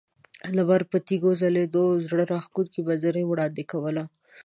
د لمر پر تیږو ځلیدو زړه راښکونکې منظره وړاندې کوله.